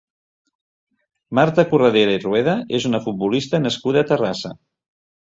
Marta Corredera i Rueda és una futbolista nascuda a Terrassa.